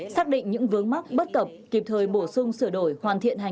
xác định những vướng mắc bất cập kịp thời bổ sung sửa đổi hoàn thiện hành